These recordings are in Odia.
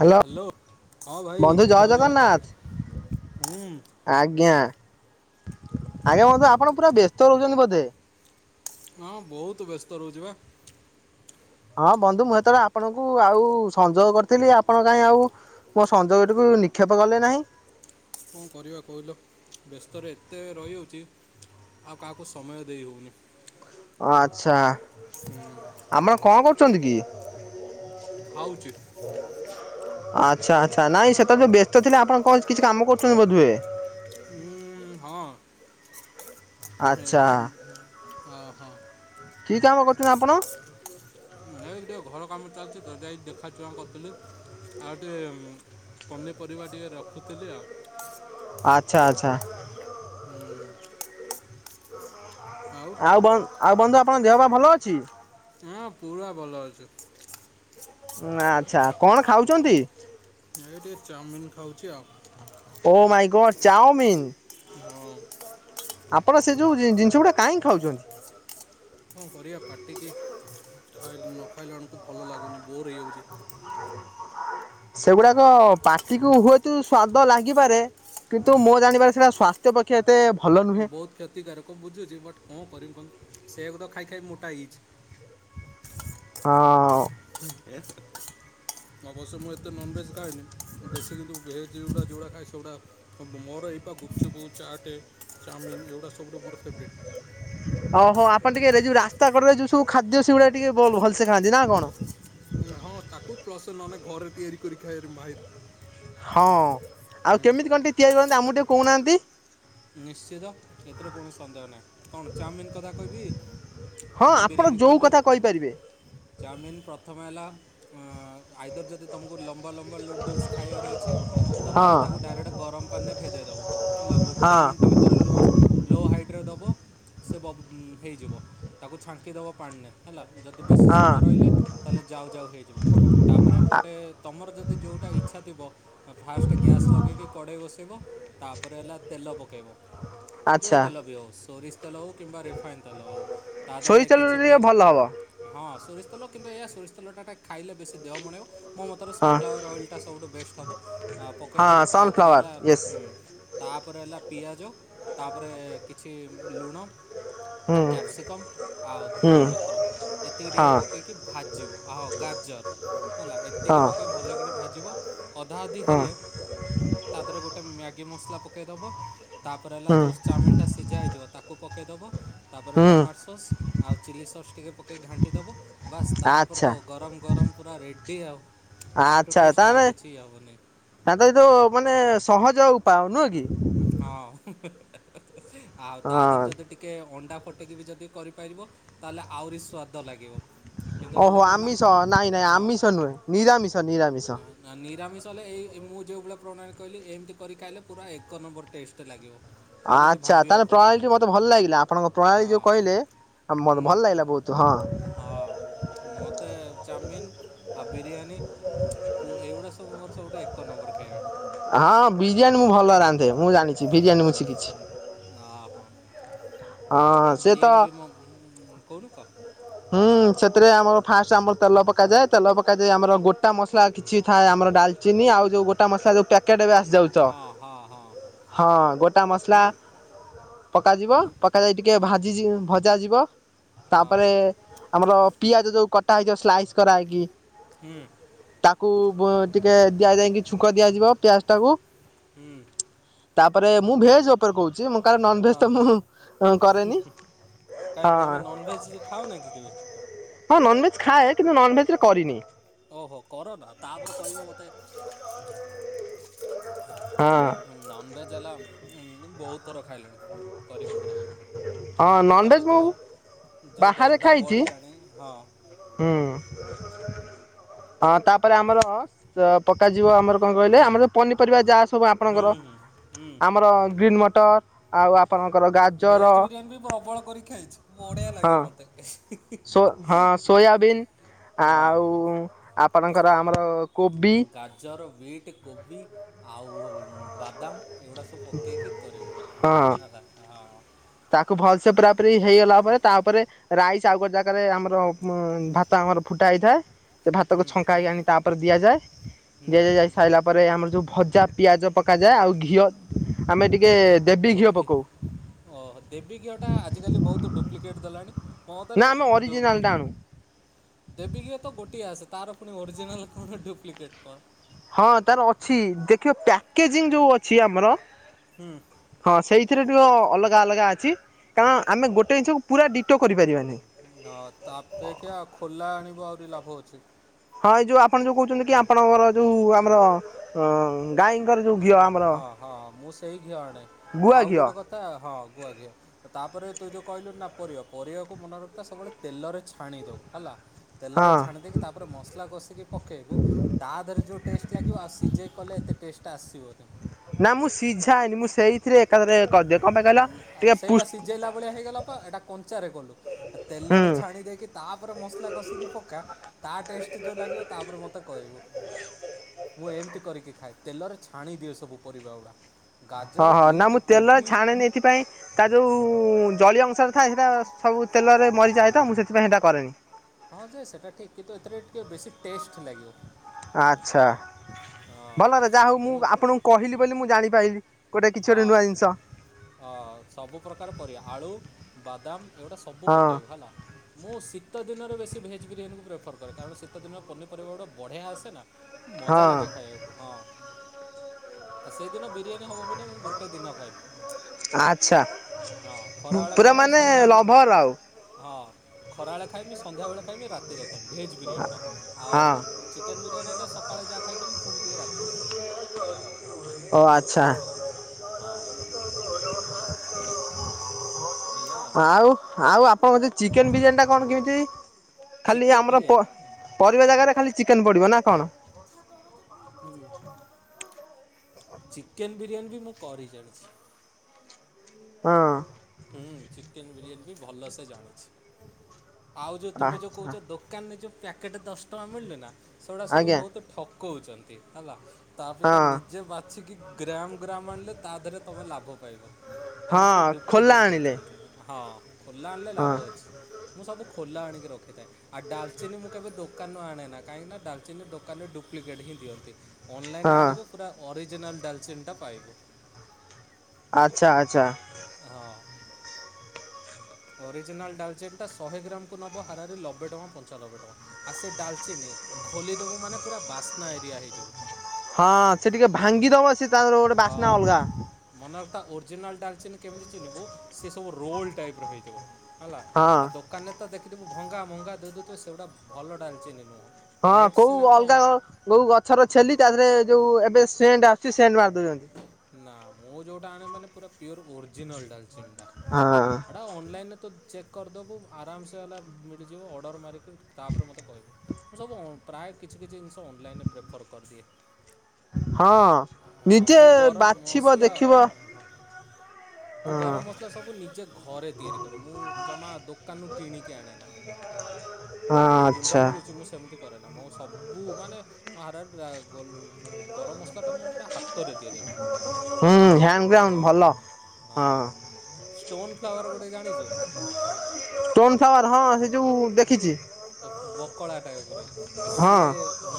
ହ୍ୟାଲୋ ହାଲୋ ହଁ ଭାଇ ଜୟ ଜଗନ୍ନାଥ। ହୁଁ [unintelligible] ଆଜ୍ଞା ଆଜ୍ଞା କୁହନ୍ତୁ ଆପଣ ପୁରା ବ୍ୟସ୍ତ ରହୁଛନ୍ତି ବୋଧେ? ହଁ ବହୁତୁ ବ୍ୟସ୍ତ ରହୁଚି ବା। ହଁ ବନ୍ଧୁ ମୁଁ ସେତେବେଳେ ଆପଣଙ୍କୁ ଆଉ ସଂଯୋଗ କରିଥିଲି ଆପଣ କାହିଁ ଆଉ ମୋ ସଂଯୋଗଠିକୁ ନିକ୍ଷେପ କଲେ ନାହିଁ। କଣ କରିବା କହିଲ ବ୍ୟସ୍ତରେ ଏତେ ରହିଯାଉଛି ଆଉ କାହାକୁ ସମୟ ଦେଇ ହଉନି। ଆଚ୍ଛା ଆମ କଣ କରୁଛନ୍ତି କି? ଖାଉଚି। ଆଚ୍ଛା ଆଚ୍ଛା ନାଇଁ ସେତେବେଳେ ଯୋଉ ବ୍ୟସ୍ତ ଥିଲେ ଆପଣ କଣ କିଛି କାମ କରୁଛନ୍ତି ବୋଧହୁଏ? ହୁଁ ହଁ। ଆଚ୍ଛା ଏଇଆ ଅ ହ। କି କାମ କରୁଛନ୍ତି ଆପଣ? ଏଇ ଟିକେ ଘର କାମ ଚାଲଛି ତ, ଯାଇ ଦେଖାଚୁଆଁ କରିୁଥିଲି। ଆଉ ଟିକେ ପନିପରିବା ଟିକେ ରଖୁଥିଲି ଆଉ। ଆଚ୍ଛା ଆଚ୍ଛା। ହୁଁ। ଆଉ ବ ଆଉ ବନ୍ଧୁ ଆପଣଙ୍କ ଦେହ ଫେଅ ଭଲ ଅଛି? ହଁ ପୁରା ଭଲ ଅଛି। ଆଚ୍ଛା କଣ ଖାଉଛନ୍ତି? ଏଇ ଟିକେ ଚାଉମିିନ ଖାଉଚି ଆଉ। Oh my god chowmein. ହଁ। ଆପଣ ସେ ଯୋଉ ଜିନ ଜିନିଷ ଗୁଡା କାଇଁ ଖାଉଛନ୍ତି? କଁ କରିଆ ପାଟି କିି ଖାଇଲେ ନ ଖାଇଲା ବେଳକୁ ଭଲ ଲାଗୁନି ବୋର ହେଇଯାଉଚି। ସେଗୁଡାକ ପାଟିକୁ ହୁଏତୁ ସ୍ଵାଦ ଲାଗିପାରେ କିନ୍ତୁ ହୁଁ ମୋ ଜାଣବାରେ ସେଟା ସ୍ଵା ବହୁତ କ୍ଷତିକାରକ ବୁଝୁଚି ବଟ କଁ କରିମି କହୁନ? ସେଇଆକୁ ତ ଖାଇ ଖାଇ ମୋଟା ହେଇଚି। ହଁ। ହୁଁ ଏସ୍। ଅବଶ୍ୟ ମୁଁ ଏତେ ନନଭେଜ ଖାଏନି ବେଶୀ କିନ୍ତୁ ଭେଜ ଗୁରା ଯୋଉଗୁଡା ଖାଏ ସେଗୁଡା ସବୁ ମୋର ବିକ ଗୁପଚୁପୁ, ଚାଟେ, ଚାଉମିିନ ଏଗୁଡା ସବୁଠୁ ମୋର ଫେବରାଇଟ୍। ଓହୋ ଆପଣ ଟିକେ ଏ ଯୋଉ ରାସ୍ତା କଡ଼ରେ ଯୋଉ ସବୁ ଖାଦ୍ୟ ସେଗୁଡ଼ା ଟିକେ ଭଲ ଭଲସେ ଖାଆନ୍ତି ନା କଣ? ହଁ ତାକୁ ପ୍ଲସ ନହେଲେ ଘରେ ତିଆରି କରି ଖାଇଆର ମାହିର। ହଁ ଆଉ ହୁଁ, କେମିତି କଣ ଟିକେ ତିଆରି କରନ୍ତି ଆମକୁ ଟିକେ କହୁନାହାନ୍ତି? ନିଶ୍ଚିତ ଏଥିରେ କୌଣସି ସନ୍ଦେହ ନାହିଁ କଣ ଚାଉମିିନ କଥା କହିବି? ହଁ ନା ଆପଣ ବିରିୟାନୀ ଯୋଉ କହିବି କଥା କହିପାରିବେ। ଚାଉମିନ୍ ପ୍ରଥମେ ହେଲା ଏଁ ଆଇଦର ଯଦି ତମକୁ ଲମ୍ବା ଲମ୍ବା ଲୁଡୁଲସ ଖାଇବାର ଅଛି ତ ହଁ ତାହେଲେ ତାକୁ ଡାଇରେକ୍ଟ ଗରମ ପାନୀରେ ଭେଦ ଇ ଦବ, ହେଲା ଗୋଟେ ହଁ ମିନିଟ ଭିତରେ ଲୋ ଲୋ ହାଇଟରେ ଦବ। ସେ ବ ହେଇଯିବ ତାକୁ ଛାଙ୍କି ଦେବ ପାଣିିରେ। ହେଲା ଯଦି ବେଶୀ ହଁ ସମୟ ରହିଲେ ତାହେଲେ ଯାଉ ଯାଉ ହେଇଯିବ। ତାପରେ ଏପଟେ ତମର ଯଦି ଯୋଉଟା ଇଚ୍ଛା ଥିବ ଫାଷ୍ଟ ଗ୍ୟାସ୍ ଲଗେଇକି କଡ଼େଇ ବସେଇବ ତାପରେ ହେଲା ତେଲ ପକେଇବ, ଯୋଉ ଆଚ୍ଛା। ତେଲ ବିି ହଉ ସୋରିଷ ତେଲ ହେଉ କିମ୍ବା ରିଫାଇନ୍ ତେଲ ହେଉ ତା ଦେହରେ ସୋରିଷ ତେଲରେ କିଛିି ବି ଟିକେ ଭଲ ହବ ହଁ ସୋରିଷ ତେଲ କିନ୍ତୁ ଏଇଆ ସୋରିଷ ତେଲଟା ଖାଇଲେ ବେଶି ଦେହ ମଣେଇବ। ମୋ ମତରେ ହଁ ସନ୍ ଫ୍ଲାୱାର ଅଏଲ୍ ଟା ସବୁଠୁ ବେଷ୍ଟ ହବ, ପକେଇ ହଁ ଦେବ ତା ଧେରେ ସନଫ୍ଲାୱାର ହେଲା, ୟେସ୍ ହୁଁ। ତାପରେ ହେଲା ପିଆଜ ତାପରେ କିଛି ଲୁଣ [inaudible] ଆଉ କ୍ୟାପ୍ସିକମ୍ ଆଉ ହୁଁ ଧଣିିଆ ପତ୍ର ଏତିକି ଟିକେ ହଁ ପକେଇକି ଭାଜିବ ଆଉ ଗାଜର। ହେଲା ହଁ ଏତିକି ପକେଇ ଭଲ କିଣି ଭାଜିବ ଅଧା ଅଧି ହଁ ହେଲେ ତା ଦେହରେ ଗୋଟେ ମ୍ୟା ଗି ମସଲା ପକେଇଦବ ତାପରେ ହେଲା ହୁଁ ଯଉ ଚାଉମିନଟା ସିଝା ହେଇଥିବ ତାକୁ ପକେଇଦବ। ତାପରେ ହୁଁ ଟମାଟୋ ସସ୍ ଆଉ ଚିଲି ସସ୍ ଟିକେ ପକେଇକି ଘାଣ୍ଟି ଦବ। ବାସ ତାପରେ ଆଚ୍ଛା ତ ଗରମ ଗରମ ପୁରା ରେଡି ଆଉ। ତାଠୁ ଆଚ୍ଛା ଟେଷ୍ଟ ଆଉ ତାହେନେ କିଛି ହେବନି ତାହେନେ ଏଇ ତ ମାନେ ସହଜ ଉପାୟ ନୁହ କି। ହଁ ଆଉ ତା ଦେହରେ ହଁ ଯଦି ଟିକେ ଅଣ୍ଡା ଫଟେଇକି ବି ଯଦି କରିପାରିବ ତାହେଲେ ଆହୁରି ସ୍ୱାଦ ଲାଗିବ। [inaudible] କିନ୍ତୁ ହେଲେ କଣ ଆମିଷ ନା ନାଇଁ ନାଇଁ ହଁ ଆମିଷ ନୁହେଁ ନିରାମିଷ ନିରାମିଷ ନା ନା ନିରାମିଷ ହେଲେ ଏଇ ମୁଁ ଯେଉଭଳିଆ ପ୍ରଣାଳୀ କହିଲି ଏମିତିି କରି ଖାଇଲେ ପୁରା ଏକ ନମ୍ବର ଟେଷ୍ଟ ଲାଗିବ। ଆଉ କିଛି ଆଚ୍ଛା ତାହେଲେ ଭାବିବାକୁ ପ୍ରଣାଳୀ ଟି ପଡ଼ିବନି ମତେ ଭଲ ଲାଗିଲା ଆପଣଙ୍କ ପ୍ରଣାଳୀ ହଁ ଯୋଉ କହିଲେ। ଆ ମତେ ହୁଁ ଭଲ ଲାଗିଲା ବହୁତୁ ହଁ। ମୋତେ ଚାଉମିିନ ଆଉ ବିରିୟାନୀ ପୁ ଏଇଗୁଡ଼ା ସବୁ ମୋର ସବୁଠୁ ଏ ଏକ ନମ୍ବର ଖାଇବା। ହଁ ବିରିୟାନୀ ମୁଁ ଭଲ ରାନ୍ଧେ ମୁଁ ଜାଣିଛି ବିରିୟାନୀ ମୁଁ ହଁ ଶିଖିଛି। ହଁ ହଁ ସେ ତ ବିରିୟାନୀ ବି ମୁଁ ଉଁ କଉନୁ କହ। ହୁଁ ସେଥିରେ ଆମର ଫାର୍ଷ୍ଟ ଆମର ତେଲ ପକାଯାଏ ତେଲ ପକାଯାଏ ଆମର ଗୋଟା ମସଲା କିଛି ଥାଏ ଆମର। ଡାଲଚିନି ଆଉ ଯୋଉ ଗୋଟା ମସଲା ଯୋଉ ପ୍ୟାକେଟ ଏବେ ଆସିଯାଉ ତ। ହଁ ହଁ ହଁ ହଁ ଗୋଟା ମସଲା। ମୁଁ ପକାଯିବ ମୁଁ ପକାଯାଇ ଟିକେ ହଁ ଭାଜି ଜି ଭଜା ଯିବ। ହଁ ତାପରେ ଆମର ପିଆଜ ଯୋଉ କଟା ହେଇଯିବ ସ୍ଲାଇସ୍ କରାହେଇକି। ହୁଁ ତାକୁ ପ ଟିକେ ଦିଆ ଯାଇକି ଛୁଙ୍କ ଦିଆଯିବ ପିଆଜ ଟାକୁ। ହୁଁ ତାପରେ ମୁଁ ଭେଜ କପରେ କହୁ ଚି ମୁଁ କାରଣ ହଁ ନନଭେଜ ତ ହଁ ମୁଁ ଅଁ କରେନି ଅ ହଁ। କାହିଁକି କେବେ। ହଁ ନନଭେଜ୍ ଖାଏ କିନ୍ତୁ ନନଭେଜ ରେ କରିନି। ଓହୋ କର ନା ତାପରେ କହିବ ମୋତେ। ହଁ ଉଁ ନନଭେଜ ହେଲା ଉଁ ବହୁତ ଥର ଖାଇଲିଣି କରିିକି ଘରେ। ହଁ ନନଭେଜ୍ ମୁଁ। ଯୋଉ ବାହାରେ ଦରଦାମ ଖାଇଛି ବଢିଲାଣି ହଁ। ହ [inaudible] ହଁ ତାପରେ ଆମର ପ-ପକାଯିବ ଆମର କଣ କହିଲେ ଆମର ପନିପରିବା ଯାହା ସବୁ ହୁଁ ଆପଣଙ୍କର ହୁଁ ହୁଁ ଆମର ଗ୍ରୀନ ମଟର ଆଉ ଆ ଭେଜ ବିରିୟାନୀ ବି ପ୍ରବଳ କରି ଖାଇଛି ବଢିଆ ହଁ ଲାଗେ ମତେ ହେ ହେ ସୋ ହଁ ହେ ହେ। ସୋୟାବିନ୍ ଆଉ ଆପଣଙ୍କର ଆମର। କୋବି ଗାଜର ବିଟ କୋବି ଆଉ ବାଦାମ। ଏଗୁଡ଼ା ସବୁ ପକେଇକି କରିବ ହଁ ହେଲା ହଁ। ତାକୁ ଭଲ ସେ ପୁରାପରି ହେଇଗଲା ପରେ ତାପରେ ରାଇସ ଆଉ ଗୋଟେ ଜାଗାରେ ଆମର ମା ଭାତ ଆମର ଫୁଟା ହେଇଥାଏ ସେ ଭାତକୁ ହୁଁ ଛଙ୍କା ହୋଇକି ଆଣି ତାପରେ ଦିଆଯାଏ ହୁଁ ଦିଆଯାଯାଇ ସାରିଲା ପରେ ଆମର ଯୋଉ ଭଜା ପିଆଜ ପକାଯାଏ ଆଉ ଘିଅ ଆମେ ଟିକେ ଦେବୀ ଘିଅ ଘି- ପକଉ। ଓ ଦେବୀ ଘିଅଟା ଆଜିକାଲି ବହୁତ ଡୁପ୍ଲିକେଟ୍ ଦେଲାଣି। ମୋ ମତ ନା ରେ ଆମେ ଦୁମ୍ ଅରିଜିନାଲଟା ଆଣୁ ଦେବୀ ଘିଅ ତ ଗୋ ତି ଆସେ ତାର ଫୁଣି ଓରିଜୀନାଲ କଣ ଡୁପ୍ଲିକେଟ କଣ। ହଁ ତାର ଅଛି ଦେଖିବ ପ୍ୟାକେଜିଙ୍ଗ ଯୋଉ ଅଛି ଆମର। ହୁଁ ହଁ ସେଇ ସେଥିରେ ଟିକେ ଅଲଗା ଅଲଗା ଅଛି କାରଣ ଆମେ ଗୋଟେ ଜିନିଷକୁ ପୁରା ଡିଟୋ କରିପାରିବା ନାହିଁ। ହଁ ତା ଅପେକ୍ଷା ଖୋଲା ଆଣିବ ଆହୁରି ଲାଭ ଅଛି। ହଁ ଏଇ ଯୋଉ ଆପଣ ଯୋଉ କହୁଛନ୍ତି କି ଆପଣଙ୍କର ଯୋଉ ଆମର ଅ ଗାଈଙ୍କର ଯୋଉ ଘିଅ ଆମର ହଁ ହଁ ମୁଁ ସେଇ ଘିଅ ଆଣେ ଗୁଆ ଆଉ ଘିଅ ଗୋଟେ କଥା ହଁ ଗୁଆ ଘିଅ ତ ତାପରେ। ତୁ ଯଉ କହିଲୁନ ନା ପରିବା ପରିବାକୁ ମନେ ରଖିଥା ସବୁବେଳେ ତେଲରେ ଛାଣିଦବୁ ହେଲା। ହଁ ତେଲରେ ଛାଣି ଦେଇେଇକି ତାପରେ ମସଲା କଷିକି ପକେଇବୁ ତା ଦେହରେ ଯୋଉ ଟେଷ୍ଟ ଲାଗିବ ଆଉ ସିଝେଇ କଲେ ଟେଷ୍ଟଟା ଆସିିବନି। ନା ମୁଁ ସିଝାଏନି ମୁଁ ସେଇଥିରେ ଏକାଥରେ କରି ସେଇ ବା ସିଝେଇଲା ଭଳିଆ ହେଇଗଲା ତ ଏଇଟା କଞ୍ଚାରେ କଲୁ ହୁଁ ତେଲରେ ଛାଣି ଦେଇକି ତା ତାପରେ ମସଲା କଷିକି ପକା ଟା ଟେଷ୍ଟ ଯାହା ଲାଗିବ ମୋତେ କହିବୁ। ମୁଁ ଏମିତି କରିକି ଖାଏ ତେଲରେ ଛାଣି ଦିଏ ସବୁ ପରିବା ଗୁଡା। ହଁ ହଁ ନାମ ତେଲ ଛଣେନି ସେଥିପାଇଁ ତା ଯୋଉ ଜଳୀୟ ଅଂଶରେ ଥାଏ ସେଇଟା ସବୁ ତେଲରେ ମରିଯାଏ ତ ମୁଁ ସେଥିପାଇଁ ସେଇଟା କରେନି। ହଁ ଯେ ସେଟା ଠିକ କିନ୍ତୁ ଏଥିରେ ଟିକେ ବେଶୀ ଟେଷ୍ଟ ଲାଗିବ। ଆଚ୍ଛା ଭଲରେ ଯାହା ହଉ ମୁଁ ଆପଣଙ୍କୁ କହିଲି ବୋଲି ମୁଁ ଜାଣିପାରଲିି। ହଁ ହଁ ସବୁପ୍ରକାର ପରିବା ଆଳୁ ବାଦାମ ଏଗୁଟା ସବୁ ହଁ ପକେଇବ ହେଲା ମୁଁ ଶୀତ ଶୀ ଦିନ ବେଶ ଭେଜ୍ ବିରିୟାନକୁ ପ୍ରେଫର କଣ ଶୀ ଦିନ ପନିପିବା ଗଟାଢ଼ିଆ ଆସେ ନା। ମଜା ହଁ ଲାଗେ ଖାଇବାକୁ ହଁ ଆ ସେଇଦିନ ବିରିୟାନୀ ହେବ ମାନେ ମୁଁ ଗୋଟେ ଦିନ ଖାଇବି। ଆଚ୍ଛା ହଁ ଖରା ବଳେ ପୁରା ଖାଇମି ମାନେ ସନ୍ଧ୍ୟାବେଳେ ଲଭର ଆଉ ହଁ ଖରା ବେଳେ ଖାଇମି। ସନ୍ଧ୍ୟାବେଳେ ଖାଇମି ରାତିରେ ଖାଇମି ଭେଜ୍ ବିରିୟାନୀଟା ଆଉ ହଁ ଚିକେନ୍ ବିରିୟାନୀ ହେଲେ ସକାଳେ ଯା ଖାଇଦେମି ଫୁଣି ଟିକେ ରାତିରେ। ଓ ଆଚ୍ଛା। ହଁ। ଆଉ ଆଉ ଆପଣଙ୍କ ଚିକେନ ବିରିୟାନୀ ଟା କଣ କେମିତି? ଖାଲି ଚିକେନ୍ ଆମର ବିରିୟାନୀ ପରିବା ଜାଗାରେ ଖାଲି ଚିକେନ ପଡ଼ିବ ନା କଣ? ହୁଁ। ଚିକେନ ବିରିୟାନୀ ବି ମୁଁ କରି ଜାଣିଛି। ହଁ। ହୁଁ ଚିକେନ ବିରିୟାନୀ ବି ଭଲସେ ଜାଣିଛି। ଆଉ ଯେଉଁ ତୁମେ ଯେଉଁ ଆଚ୍ଛା କହୁଛ ଦୋକାନରେ ଯେଉଁ ପ୍ୟାକେଟ୍ ଦଶ ଟଙ୍କା ମିଳିଲୁ ନା ସେଗୁଡ଼ା ସବୁ ଆଜ୍ଞା ବହୁତ ଠକ କହୁଛନ୍ତି ହେଲା ତାପକ୍ଷା ହଁ ନିଜେ ବାଛିିକି ଗ୍ରାମ ଗ୍ରାମ ତା ଦେହରେ ତମେ ଲାଭ ପାଇବ। ଏମିତିରେ ହଁ। ଖୋଲା ଡୁପ୍ଲିକେଟ୍ ଆଣିଲେ ଦେଉଛନ୍ତି ହଁ ଖୋଲା ଆଣିଲେ ହଁ ଲାଭ ଅଛି। ମୁଁ ସବୁ ଖୋଲା ଆଣିକି ରଖିଥାଏ ଆ ଡାଲଚିନି ମୁଁ କେବେ ଦୋକାନରୁ ଆଣେ କାହିଁକି ନା ଡାଲଚିନି ଦୋକାନରେ ଦୁପୁ ପ୍ଲିକେଟ୍ ହିଁ ଦିଅନ୍ତି ଅନଲାଇନେ ହଁ ଆଣିବ ପୁରା ଅରିଜିନାଲ୍ ଡଲଚିନ ପାଇବ। ଆଚ୍ଛା ଆଚ୍ଛା। ହଁ। ଅରିଜିନାଲ୍ ଡାଲଚିନନ୍ ଟା ଶହେ ଗ୍ରାମ କୁ ନବ ହାରାରି ନବେ ଟଙ୍କା ପଞ୍ଚାନବେ ଟଙ୍କ ଆଉ ସେ ଡାଲଚିନ ଖୋଲିଦବ ମାନେ ପୁରା ବାସ୍ନା ଏରିଆ ହେଇଯିବ। ହଁ ସେ ଟିକେ ଭାଙ୍ଗିଦବ ସେ ତାଙ୍କର ଗୋଟେ ହଁ ବାସ୍ନା ଅଲଗା। ମନେର ଓରିଜିନାଲ୍ ଡାଲଚିନି କେମି ଚିହନିବୁ ସେ ସବୁ ରୋଲ ଟାଇପ ର ହେଇଥିବ। ହେଲା ହଁ ଆଉ ଦୋକାନରେ ତ ଦେଖିଥିବୁ ଭଙ୍ଗା ଭଙ୍ଗା ଦେଦଉଥିବ ସେଗୁଡ଼ା ଭଲ ଡାଲଚିନି ନୁହଁ। ହଁ ରେଟ୍ କୋଉ ସିନା ଅଲଗା କମ୍ କୋଉ ଗଛର ଛେଲି ତା ଦେହେରେ ଯୋଉ ଏବେ ସେଣ୍ଟ ଆ କି ସେଣ୍ଡ ମାରିଦେଉଛନ୍ତି। ନା ମୁଁ ଯେଉଁଟା ଆଣେ ମାନେ ପୁରା ପିଓର ଓରିଜିନାଲ୍ ଡାଲଚିନି ଟା ହଁ ହେଟା ଅନଲାଇନ ରେ ତ ଚେକ୍ କରିଦେବୁ ଆରାମସେ ଵାଲା ମିଳିଯିବ ଅର୍ଡ଼ର ମାରିକି ତାପରେ ମୋତେ କହିବୁ ମୁଁ ସବୁ ପ୍ରାୟ କିଛି କିଛି ଜିନିଷ ଅନଲାଇନ୍ରେ ପ୍ରିଫର୍ କରିଦିଏ ହଁ ହଁ ନିଜେ ମୁଁ ଗରମ ବାଛିବ ମସଲା ଦେଖିବ ହଁ ହଁ। ହଁ ମୁଁ ହଁ ଗରମ ମସଲା ସବୁ ନିଜେ ଘରେ ତିଆରି କରେ ମୁଁ ଜମା ଦୋକାନରୁ କିଣିକି ଆଣେନା। ଯୋଉ ଗୁଣ୍ଡ ଆଚ୍ଛା ମିଳୁଛି ମୁଁ ସେମିତି କରେନା ମୁଁ ସବୁ ମାନେ ମୁଁ ହାର ଗରମ ମସଲାଟା ମୁଁ ପୁରା ହାତ ତରେ ତିଆରି ଆମେ କରୁ। ହୁଁ ହ୍ୟାଣ୍ଡ ଗ୍ରାଉଣ୍ଡ ହଁ ଭଲ ହଁ ଷ୍ଟୋନ ଫ୍ଲାୱାର ଗୋଟେ ଜାଣିଛୁ? ଷ୍ଟୋନ ଫ୍ଲାୱାର ହଁ ସେ ଯୋଉ ଦେଖିଛି। ବକଳା ଟାଇପର ସେ ହଁ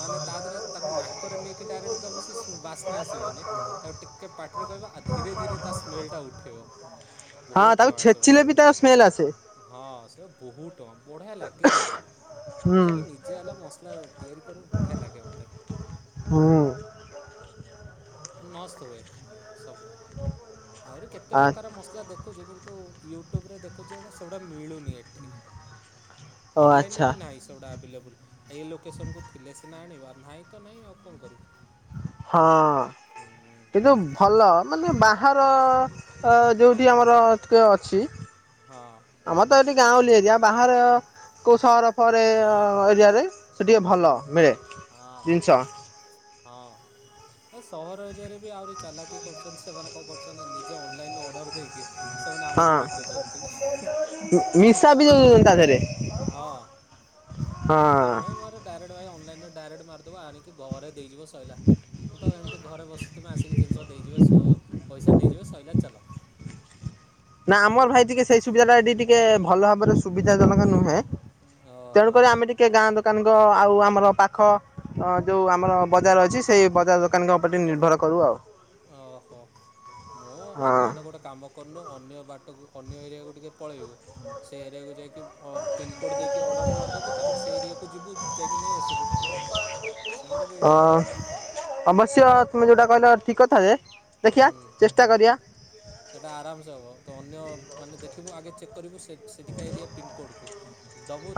ମାନେ ତା ଦେହରେ ତାକୁ ନାକରେ ନେଇକି ଡାଇରେକ୍ଟ ତ ସେ ବାସ୍ନା ଆସିବନି ତା ଟିକେ ପାଟିରେ କହିବ ଧୀରେ ଧୀରେ ତା ସ୍ମେଲ ଟା ଉଠେଇିବ। ହଁ ବହୁତ ତାକୁ ଟଙ୍କା ଛେଚିଲେ ବି ତାର ସ୍ମେଲ ଆସେ। ସେଗୁଡା ହଁ ସେ ବହୁତ ବଢିଆ ଲାଗଗେ କିନ୍ତୁ। ମୁଁ ହୁଁ ସବୁ ନିଜେ ହେଲା ମସଲା ତିଆରି କରୁ ବଢିଆ ଲାଗେ ମତେ। ହୁଁ। ମସ୍ତ ହୁଏ ସବୁ ଆହୁରି କେତେ ଆ ପ୍ରକାର ମସଲା ଦେଖ ଯେ କିନ୍ତୁ ୟୁଟ୍ୟୁବରେ ଦେଖୁଛି ଯୋଉଟା ସେଗୁଡ଼ା ମିଳୁନି ଏଠି। ଓ ଅନଲାଇନ ରେ ଆଚ୍ଛା ବି ନାହିଁ ସେଗୁଡା ଆଭେଲେବଲ ଏଇ ଲୋକେସନକୁୁ ଥିଲେ ସିନା ଆଣିବ ନାହିଁ ତ ନାହିଁ ଆଉ କଣ କରିବୁ। ହଁ ହୁଁ କିନ୍ତୁ ଭଲ ମାନେ ବାହାର ଅ ହଁ ଯୋଉଠି ଆମର କେ ଅଛି ହଁ ଆମର ତ ଏଠି ଗାଁଉଲି ଏରିଆ ବାହହାର କୋଉ ସହର ଫର ଏରିଆ ରେ ସେ ଟିକିେ ଭଲ ହୁଁ। ମିଳେ ହଁ ଜିନିଷ। ହଁ। ହଁ ସହର ଏରିଆରେ ବି ଆହୁରି ଚାଲାକି କରୁଛନ୍ତି ସେମାନେ କଣ କରୁଛନ୍ତି ନା ନିଜେ ଅନଲାଇନ ରୁ ଅର୍ଡର ଦେଇକି ସେମାନେ ଆମକୁ ହଁ ବିକୁଛନ୍ତି ମିଶା ବି ତା ଦେହରେ। ହଁ ହଁ। ଆମେ ଡାଇରେକ୍ଟ ଭାଇାଇ ଅନଲାଇନ ଡାଇରେକ୍ଟ ମାରଦବୁ ଆଣିକି ଘରେ ଦେଇଯିବ ସଇଲା ମୁଁ ତ ଏମିତି ଘରେ ବସିଥିବି ଆସିକି ଜିନିଷ ଦେଇଯିବେ ପଇସା ନେଇଯିବେ ସଇଲା ଚାଲ। ନା ଆମର ଭାଇ ଟିକେ ସେଇ ସୁବିଧା ଟା ଏଠି ଟିକେ ଭଲ ଭାବରେ ସୁବିଧା ଜନକ ନୁହେଁ ଓହୋ। ତେଣୁକରି ଆମେ ଟିକେ ଗାଁ ଦୋକାନଙ୍କ ଆଉ ଆମର ପାଖ ଯେଉଁ ଆମର ବଜାର ଅଛି ସେଇ ବଜାର ଦୋକାନଙ୍କ ଉପରେ ନିର୍ଭର କରୁ ଆଉ। ଓହୋ ମୁଁ ହଁ ନହେନେ ଗୋଟେ କାମ କରନୁ ଅନ୍ୟ ବାଟକୁ ଅନ୍ୟ ଏରିଆକୁ ଟିକିଏ ପଳେଇବୁ। ସେ ଏରିଆକୁ ଯାଇକି ପିିନକୋଡ ଦେଇକି ଅର୍ଡର ମାରିଦବୁ ତାପରେ ସେ ଏରିଆକୁ କୁ ଯିବୁ ଯାଇକି ନେଇ ଆସିବୁ। ସେମିତି ବି ଅ ହେଇପାରିବ ଅବଶ୍ୟ ତମେ ଯେଉଟା କହିଲ ଠିକ କଥା ଯେ ଦେଖିବା ହୁଁ ଚେଷ୍ଟା କରିବା। ସେଇଟା ଆରାମସେ ହେବ ତ ଅନ୍ୟ ମାନେ ଦେଖିବୁ ଆଗେ ଚେକ୍ କରିବୁ ସେ ସେଠିକା ଏରିଆ ପିନ୍କୋଡ଼୍କୁ।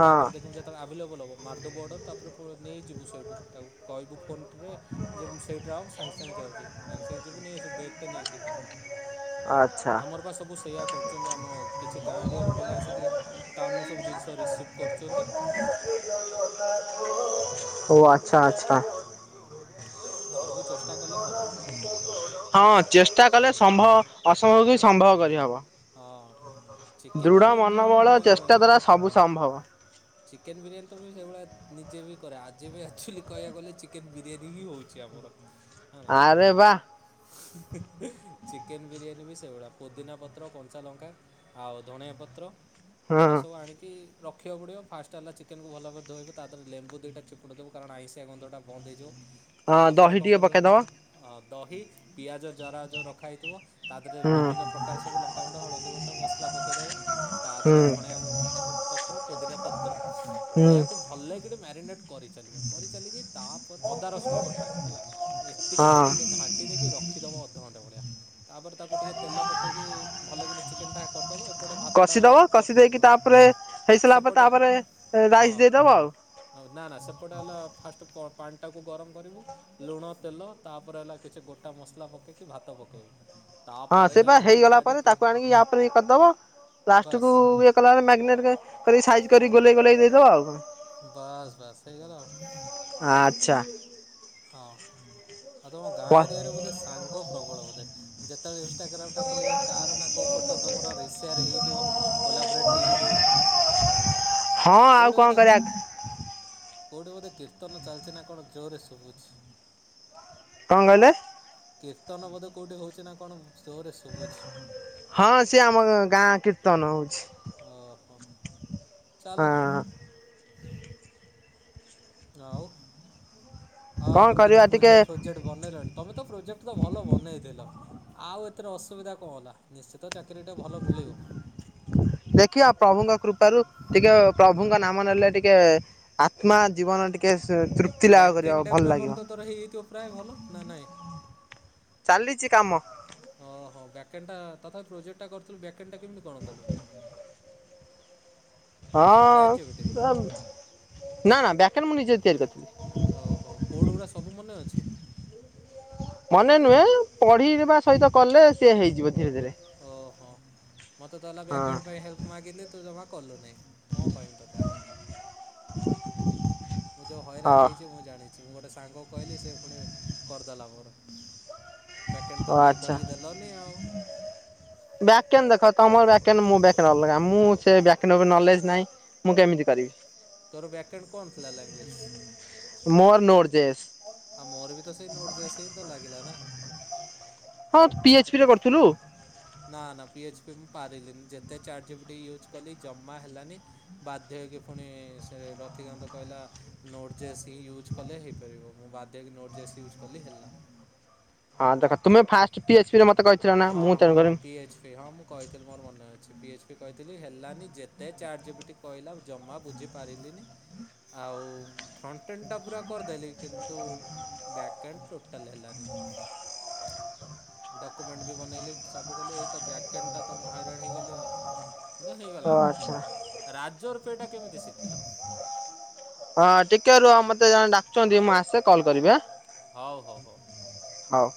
ହଁ ଦେଖିବୁ ଯେତେବେଳେ ଆଭେଲେବୁଲୁ ହବ ମର୍ଦବୁ ଗୋଟେ ତପରେ ଫଳ ନେଇଯିବୁ [unintelligible] କାଇବୁ ଫୋନ ଠିରେ ଯେମତି ସେଇଠା ରହ ସାଙ୍ଗେ ସାଙ୍ଗେ ଯାଉଛି ସାଙ୍ଗେ ସାଙ୍ଗେ ଯିବୁ ନେଇଆସିବୁ ବେଗ ଟା ନେଇକି। ଆଚ୍ଛା ଆମର ପା ସବୁ ସେଇୟା କରୁଚନ୍ତି ଆମ କିଛି ଗାଁ ଏରିଆରୁ ପିଲା ଆସିକି ଟାଉନରୁୁ ସବୁ ଜିନିଷ ତ ରିଶିଭ କରୁଚନ୍ତି। ଓ ଆଛା ଆଛା। ସବୁ ଚେଷ୍ଟା କଲେ ହବ। ହଁ ଚେଷ୍ଟା କଲେ ସମ୍ଭବ ଅସମ୍ଭବକୁ ବି ହଁ ସମ୍ଭବ କରିହବ। ହଁ ଚିକେନ୍ ଦୃଢ ବିରିୟାନୀ ତ ମନୋବଳ ଚେଷ୍ଟା ଦ୍ଵାରା ସବୁ ସମ୍ଭବ। ଚିକେନ ବିରିୟାନୀ ତ ସେଇଭଳିଆ ନିଜେ ବି କରେ ଆଜି ବି ଆକ୍ଚୋଲି କହିବାକୁ ଗଲେ ଚିକେନ ବିରିୟାନୀ ହିଁ ହଉଚି ଆମ ମୋର ନା ନା ଆରେ ବା ଚି ଚିକେନ ବିରିୟାନୀ ବି ସେଇଭଳିଆ ପୁଦିନା ପତ୍ର କଞ୍ଚା ଲଙ୍କା ଆଉ ଧଣିଆ ପତ୍ର ହଁ ଏଗୁଡ଼ା ସବୁ ଆଣିକି ରଖିବାକୁ ପଡିବ। ଫାଷ୍ଟ ହେଲା ଚିକେନକୁ ଭଲ ଭାବରେ ଧୋଇବ ତା ଦେହରେ ଲେମ୍ବୁ ଦିଟା ଚିପୁଡି ଦବ କାରଣ ଆଇଁଶିଆ ଗନ୍ଧଟା ବାନ୍ଦ ହେଇଯିବ। ହଁ ତାପରେ ଦହି କଣ ଟିକେ କରିବ ନା ପକେଇଦବ ଦହି ପିଆଜ ଜରା ଯୋଉ ରଖା ହେଇଥିବ। ତା ଦେହରେ ହୁଁ ବିଭିନ୍ନ ପ୍ରକାର ସବୁ ଲଙ୍କା ଗୁଣ୍ଡ ହଳଦୀ ଗୁଣ୍ଡ ମସଲା ପକେଇ ଦବ। ତା ହୁଁ ଦେହରେ ଧଣିଆ ପତ୍ର ପୋଦିରା ପତ୍ର ହୁଁ ଏହାକୁ ଭଲ ଲାଗି ଟେ ମ୍ୟାରିନେଟ କରିଚଲିବ କରିଚଲିକି ତାପରେ ଅଦା ରସୁଣ ବଟା ହେଲା। ଏତିକି ହଁ ପକେଇକି ଘାଣ୍ଟି ଦେଇକି ରଖିଦେବ ଅଧଘଣ୍ଟା ଭଳିଆ। ତାପରେ ତାକୁ ଟିକେ ତେଲ ପକି ଭଲ କି ଚିକେନ ଟା କର କଷିଦବ କଷି ଦେଇକି ତାପରେ ହେଇ ସାରିଲା ପରେ ସେପଟେ ତାପରେ ରାଇସ୍ ଦେଇଦବ ଆଉ। ହଁ ନା ନା ସେପଟେ ହେଲା ଫାଷ୍ଟ ପ ଆ ପାଣିଟାକୁ ଗରମ କରିବୁ ଲୁଣ ତେଲ ତାପରେ ହେଲା କିଛି ଗୋଟା ମସଲା ପକେଇକି ଭାତ ପକେଇବୁ। ହଁ ତାପରେ ସେ ବା ଯାଇକି ହେଇଗଲା ପରେ କାଢ଼ିକି ତାକୁ ଆଣିକି ୟାପରେ ବି କରିଦବ ପ୍ଲାଷ୍ଟିକୁ ବାସ୍ ଇଏ କଲା ମଗ୍ନେଟ ସାଇଜ୍ କରି ଗୋଲେଇ ଗୋଲେଇ ଦେଇଦବ ଆଉ କଣ। ବାସ୍ ବାସ୍ ହେଇ ଗଲା ଆଉ। ଛା ହଁ ଆଉ ତମ ଗାଁ ଏରିଆରେ ବୋଧେ ସାଙ୍ଗ ପ୍ରବଳ ବୋଧେ ଯେତେବେଳେ ଇଷ୍ଟାଗ୍ରାମ ଟା ଖୋଲିବ କାହାର ନା କୋଉ ଫଟୋ ତୁମର ରିସିଆରେ ହେଇଥିବ କୋଲାପ ବ୍ରେଟ୍ ହେଇଯାଥିବ। ହଁ ଆଉ କଣ କରିବା। କୋଉଠି ବୋଧେ କୀର୍ତ୍ତନ ଚାଲିଛି ନା କଣ ଜୋରରେ ଶୁଭୁଛି। କଣ କହିଲେ? କୀର୍ତ୍ତନ ବୋଧ କୋଉଠି ହୋଉଛି ନା କଣ। ଜୋରରେ ଶୁଭୁଛି ହଁ ସିଏ ଆମ ଗାଁ କୀର୍ତ୍ତନ ହୋଉଛି। ଓହୋ ଚାଲୁ ହ ଆଉ କଣ ଆପରେ କିଛି କରିବା ଟିକେ ପ୍ରୋଜେକ୍ଟ ଫୋଜେକ୍ଟ ବନେଇଲାଣି ତମେ ତ ପ୍ରୋଜେକ୍ଟ ତ ଭଲ ବନେଇଥିଲ। ଆଉ ଏଥିରେ ଅସୁବିଧା କଣ ହେଲା ନିଶ୍ଚି ଦେଖିବା ପ୍ରଭୁଙ୍କ କୃପାରୁ ଟିକେ ପ୍ରଭୁଙ୍କ ନାମ ନେଲେ ଟିକେ ଆତ୍ମା ଜୀବନ ଟିକେ ତୃପ୍ତି ଲାଭ କରିବ ବ୍ୟାକଣ୍ଡ ଭଲ ଲାଗିବ। ଡେଭଲପର ତ ତୋର ହେଇଯାଇଥିବ ପ୍ରାୟ ଭଲ ନା ନାଇଁ? ଚାଲିଛି କାମ ଓ ହୋ ବ୍ୟାକେଟା ତଥାପି ପ୍ରୋଜେକ୍ଟ ଟା କରିଥିଲୁ ବ୍ୟାକେଟା କେମିତି କଣ କଲୁ? ଚାଟ୍ ଜିପିଟି ହଁ ନା ନା ବ୍ୟାକେଟ ମୁଁ ନିଜେ ତିଆରି କରିଛି। ଓହୋ କୋଉଠି କୋଡ଼ ରା଼ ସବୁ ମନେ ଅଛି? ମନେ ନୁହେଁ ପଢିବା ସହିତ କଲେ ସିଏ ହେଇଯିବ। ଧୀରେ ଧୀରେ ଓହୋ ମତେ ତାଲା ହଁ ବ୍ୟାକେ ପାଇଁ ହେଲ୍ପ ମାଗିଲି ତୁ ଜମା କଲୁନି। କଣ କହିବି ତତେଆ ମୁଁ ଯୋଉ ହଇରାଣ ହଁ ହେଇଛି ମୁଁ ଜାଣିଛି ମୁଁ ଗୋଟେ ସାଙ୍ଗ କହିଲି ସେ ପୁଣି କରିଦେଲା ମୋର ବ୍ୟାକେଣ୍ଟ ଓ ତ କେହି ଆଚ୍ଛା। କରିକି ଦେଲନି ଆଉ। କେନ ଦେଖ ତମର ବ୍ୟାକେନ ମୋ ବ୍ୟାକେଣ୍ଟ ଅଲଗା ମୁଁ ସେ ବ୍ୟାକେଣ୍ଟ ଉପରେ ନଲେଜ ନାହିଁ ମୁଁ କେମିତି କରିବି। ତୋର ବ୍ୟାକଣ୍ଡ କଣ ଥିଲା ଲାଙ୍ଗୁଏଜ? ମୋର ନୋଟ ଜେସ୍ ଆଉ ମୋର ବି ତ ସେଇ ନୋଡ଼ଜେସ ହିଁ ତ ଲାଗିଲା ନା। ହଁ ପି ଏଚ୍ ପି ରେ କରିଥିଲୁ? ନା ନା ପିଏଚ୍ପି ମୁଁ ପାରିଲିନି ଯେତେ ଚାର୍ଟ ଜି ପିଟି ୟୁଜ୍ କଲି ଜମା ହେଲାନି ବାଧ୍ୟ ହୋଇକି ପୁଣି ସେ ର ତିକାନ୍ତ କହିଲା ନୋଟ୍ ଜେସ୍ ହିଁ ୟୁଜ୍ କଲେ ହେଇପାରିବ ମୁଁ ବାଧ୍ୟ ହେଇକି ନୋଟ୍ ଜେସ୍ ୟୁଜ୍ କଲି ହେଲା। ହଁ ଦେଖା। ହଁ ହଁ ତେଣୁକରି ପି ଏଚ ପି ହଁ ମୁଁ କହିଥିଲି ମୋର ମନେ ଅଛି ପି ଏ କହିଥିଲି ହେଲାନି ଯେତେ ଚାର୍ଟ ଜି ପିଟି କହିଲା ଜମା ବୁଝିପାରିଲିନି। ଆଉ ଫ୍ରଣ୍ଟେନ୍ ଟା ପୁରା କରିଦେଲି କିନ୍ତୁ ବ୍ୟାକଣ୍ଡ ଟୋଟାଲ ହେଲାନି। [inaudible] ଡକ୍ୟୁମେଣ୍ଟ ବି ବନେଇଲି ସବୁ କଲି ଏଇ ତ ବ୍ୟାକଣ୍ଡ ଟା ତ ମୁଁ ହଇରାଣ ହେଇଗଲି ଆଉ। ଓ ହେଇଗଲା ଆଚ୍ଛା। ରାଜ ରୂପେଟା କେମିତି ଶିଖିଲ? ଟିକେରୁହ ମତେ ଜଣେ ଡାକୁଚନ୍ତି ମୁଁ ଆସେ କଲ୍ କରିଵି ଆଁ। ହୋଉ ହୋଉ ହୋଉ। ହଉ।